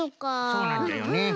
そうなんじゃよね。